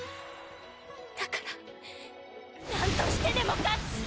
だから、何としてでも勝つ！